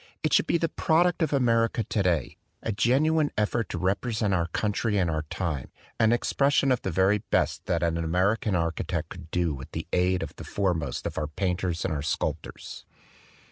It should be the product of America today, a genuine effort to represent our country and our time, an expression of the very best that an American architect could do with the aid of the foremost of our painters and sculptors.